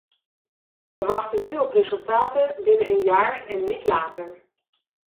Wij wachten nu op resultaten, binnen een jaar en niet later.